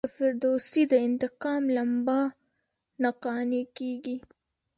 د فردوسي د انتقام لمبه نه قانع کیږي.